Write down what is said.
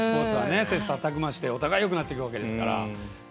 切さたく磨してお互い、よくなっていきますから。